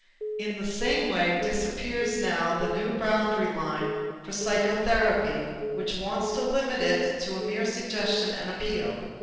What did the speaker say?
In the same way disappears now that new boundary line for psychotherapy which wants to limit it to mere suggestion and appeal.